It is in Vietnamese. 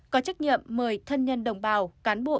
có trách nhiệm mời thân nhân đồng bào cán bộ